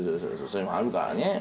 それもあるからね。